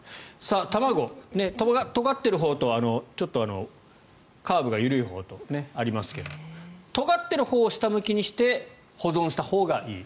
卵、とがっているほうとちょっとカーブが緩いほうとありますがとがってるほうを下向きにして保存したほうがいい。